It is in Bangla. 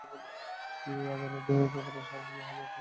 একই আদালত অপর আসামি মোহাম্মদ হোসেনের তিন দিনের রিমান্ড মঞ্জুর করেন।